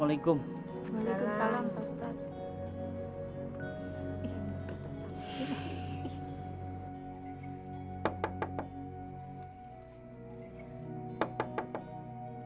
waalaikumsalam pak ustadz